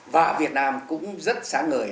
và việt nam cũng rất sáng ngời